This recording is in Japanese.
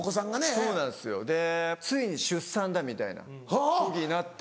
そうなんすよでついに出産だみたいな時になって。